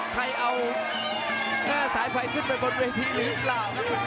ใครเอาหน้าสายไฟขึ้นไปบนเวคที่หรือเปล่า